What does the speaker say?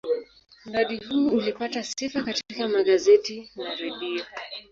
Mradi huu ulipata sifa katika magazeti na redio.